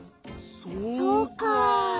そうか。